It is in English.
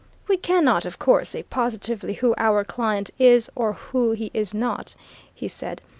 "We cannot, of course, say positively who our client is or who he is not," he said.